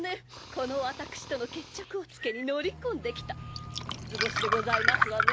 このわたくしとの決着をつけに乗り込んで来た図星でございますわね